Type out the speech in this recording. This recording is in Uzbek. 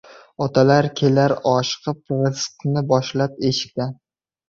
• Ota kelar oshiqib, rizqni boshlab eshikdan.